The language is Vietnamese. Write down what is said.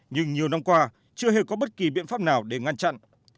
nhưng nhiều năm qua chưa hề có bất kỳ biện pháp nào để ngăn chặn